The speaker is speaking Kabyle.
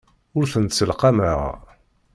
Ur tent-sselqameɣ.